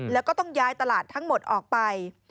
แล้วก็ต้องย้ายตลาดทั้งหมดออกไป